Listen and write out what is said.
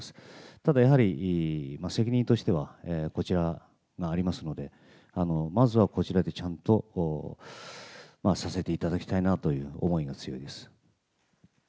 ただやはり責任としては、こちらがありますので、まずはこちらでちゃんとさせていただきたいなという思いが強いです。